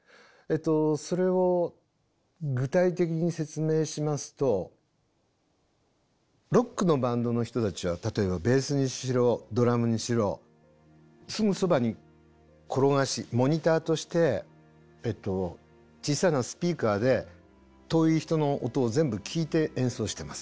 それを具体的に説明しますとロックのバンドの人たちは例えばベースにしろドラムにしろすぐそばに転がしモニターとして小さなスピーカーで遠い人の音を全部聴いて演奏してます。